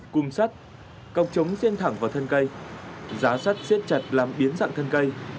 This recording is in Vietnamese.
cung sắt cọc trống xiên thẳng vào thân cây giá sắt xiết chặt làm biến dặn thân cây